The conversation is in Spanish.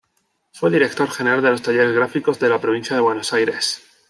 Fue director general de los Talleres Gráficos de la Provincia de Buenos Aires.